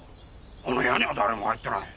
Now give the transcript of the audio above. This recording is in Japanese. あの部屋には誰も入っとらん。